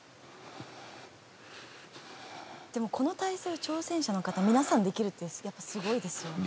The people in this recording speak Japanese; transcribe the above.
でもこの体勢を挑戦者の方皆さんできるってやっぱすごいですよね。